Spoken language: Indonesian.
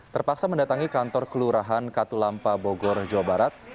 terpaksa mendatangi kantor kelurahan katulampa bogor jawa barat